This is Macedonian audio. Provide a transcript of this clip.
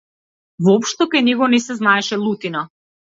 Воопшто кај него не се знаеше лутина.